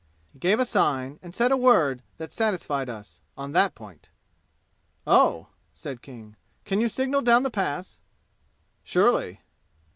"He gave a sign and said a word that satisfied us on that point!" "Oh!" said King. "Can you signal down the Pass?" "Surely."